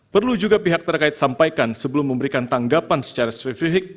perlu juga pihak terkait sampaikan sebelum memberikan tanggapan secara spesifik